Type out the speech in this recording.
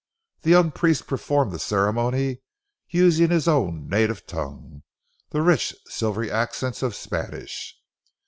The young priest performed the ceremony, using his own native tongue, the rich, silvery accents of Spanish.